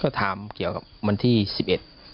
ก็ถามเกี่ยวกับวันที่๑๑ครับ